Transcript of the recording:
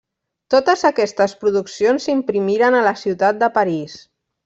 Totes aquestes produccions s'imprimiren a la ciutat de París.